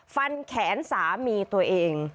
ฟันแขนสามีตัวเอง